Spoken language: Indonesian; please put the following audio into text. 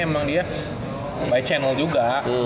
emang dia by channel juga